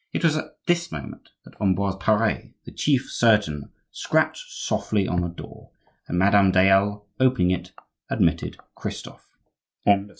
It was at this moment that Ambroise Pare, the chief surgeon, scratched softly on the door, and Madame Dayelle, opening it, admitted Christophe.